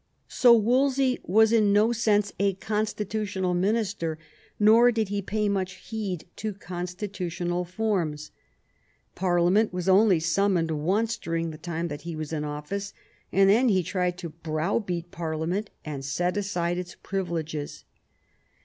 So Wolsey was in no sense a constitutional minister, nor did he pay much heed to constitutional forms. Par liament was only summoned once during the time that he was in office, and then he tried to browbeat Parlia ment and set aside its privileges.